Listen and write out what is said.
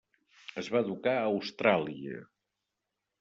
Es va educar a Austràlia.